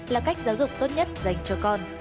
là cách giáo dục tốt nhất dành cho con